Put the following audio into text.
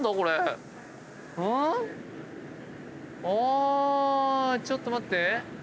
あちょっと待って。